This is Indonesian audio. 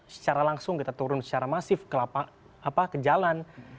secara langsung kita turun secara masif ke jalan